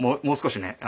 もう少しね